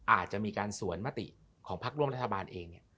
อาจจะมีการสวนมติของพักร่วมรัฐบาลเอง